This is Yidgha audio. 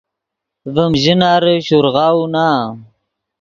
ڤیم ژناری شورغاؤو نا